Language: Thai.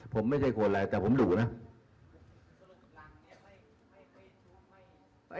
ผมไม่ใช่คนอะไรแต่ผมดุนะ